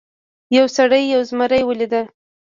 یو سړي یو زمری ولید.